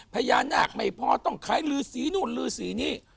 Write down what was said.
พญานาคไม่พอต้องขายลือสีนู่นลือสีนี้